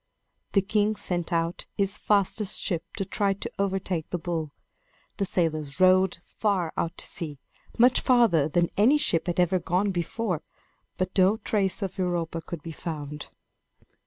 The king sent out his fastest ship to try to overtake the bull. The sailors rowed far out to sea, much farther than any ship had ever gone before; but no trace of Europa could be found.